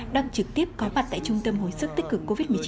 đang trực tiếp có mặt tại trung tâm hồi sức tích cực covid một mươi chín